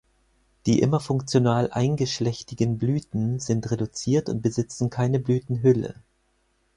Die immer funktional eingeschlechtigen Blüten sind reduziert und besitzen keine Blütenhülle.